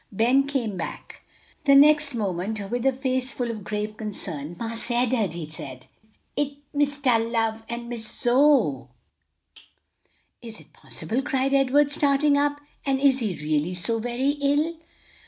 Ben came back the next moment with a face full of grave concern. "Marse Ed'ard," he said, "it's Mistah Love and Miss Zoe." "Is it possible!" cried Edward, starting up. "And is he really so very ill?"